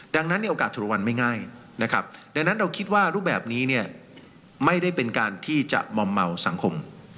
ดังนั้นในโอกาสถูกรางวัลไม่ง่ายนะครับดังนั้นเราคิดว่ารูปแบบนี้เนี่ยไม่ได้เป็นการที่จะมอมเมาสังคม